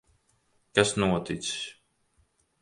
Kas noticis?